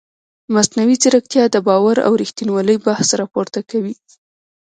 مصنوعي ځیرکتیا د باور او ریښتینولۍ بحث راپورته کوي.